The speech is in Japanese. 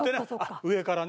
上からね。